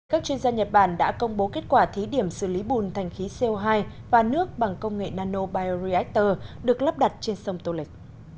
các chuyên gia nhật bản đã công bố kết quả thí điểm xử lý bùn thành khí co hai và nước bằng công nghệ nanobioreactor được lắp đặt trên sông tô lịch